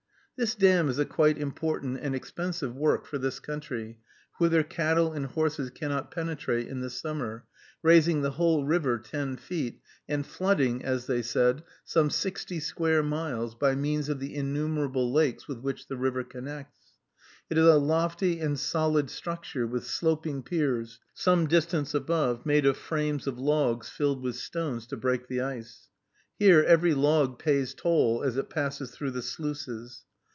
This dam is a quite important and expensive work for this country, whither cattle and horses cannot penetrate in the summer, raising the whole river ten feet, and flooding, as they said, some sixty square miles by means of the innumerable lakes with which the river connects. It is a lofty and solid structure, with sloping piers, some distance above, made of frames of logs filled with stones, to break the ice. Here every log pays toll as it passes through the sluices.